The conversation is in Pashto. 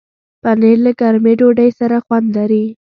پنېر له ګرمې ډوډۍ سره خوند لري.